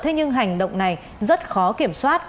thế nhưng hành động này rất khó kiểm soát